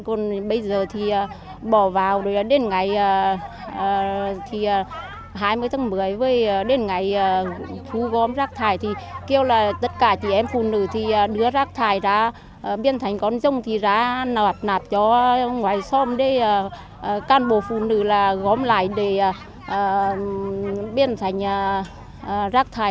còn bây giờ thì bỏ vào đến ngày hai mươi tháng một mươi với đến ngày thu gom rác thải thì kêu là tất cả chị em phụ nữ thì đưa rác thải ra biên thành con dông thì ra nạp nạp cho ngoài xóm để can bộ phụ nữ là gom lại để biên thành rác thải